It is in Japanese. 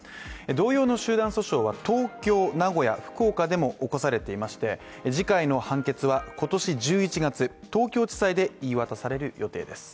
同様の集団訴訟は東京、名古屋、福岡でも起こされていまして次回の判決は今年１１月、東京地裁で言い渡される予定です。